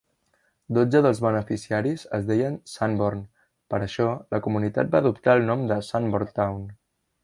Dotze dels beneficiaris es deien Sanborn, per això, la comunitat va adoptar el nom de Sanborntown.